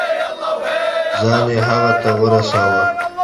ځان يې هغه ته ورساوه.